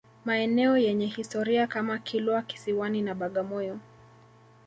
Maeneo yenye historia kama Kilwa Kisiwani na Bagamoyo